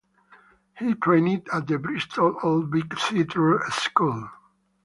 He trained at the Bristol Old Vic Theatre School.